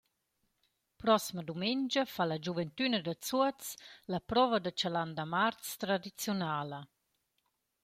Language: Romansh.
Prosma dumengia fa la giuventüna da Zuoz la prouva da Chalandamarz tradiziunala.